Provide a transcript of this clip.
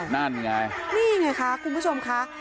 นี่ไงค่ะคุณผู้ชมค่ะ